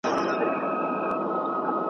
ډېر دي له لمني او ګرېوانه اور اخیستی دی.